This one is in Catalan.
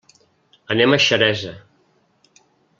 Anem a Xeresa.